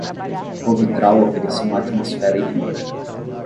O vitral oferecia uma atmosfera hipnótica.